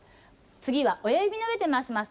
次は親指の上で回します。